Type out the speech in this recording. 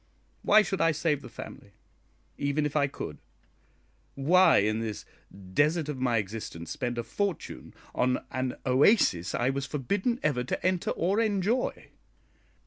Why should I save the family, even if I could? Why in this desert of my existence spend a fortune on an oasis I was forbidden ever to enter or enjoy?